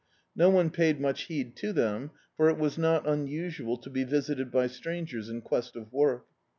No one paid much heed to them, for it was not unusual to be visited by strangers in quest of work.